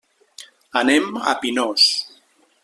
Anem a Pinós.